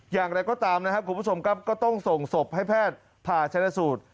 อย่างไรก็ตามนะครับคุณผู้ชมครับก็ต้องส่งศพให้แพทย์ผ่าชนะสูตร